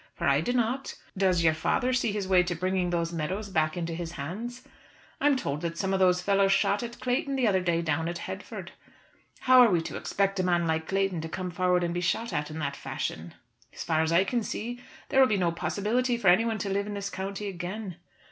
for I do not. Does your father see his way to bringing those meadows back into his hands? I'm told that some of those fellows shot at Clayton the other day down at Headford. How are we to expect a man like Clayton to come forward and be shot at in that fashion? As far as I can see there will be no possibility for anyone to live in this country again.